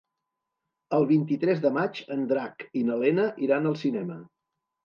El vint-i-tres de maig en Drac i na Lena iran al cinema.